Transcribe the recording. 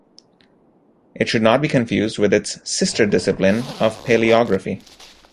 It should not be confused with its sister-discipline of palaeography.